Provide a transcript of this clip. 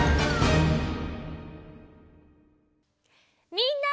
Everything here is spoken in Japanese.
みんな。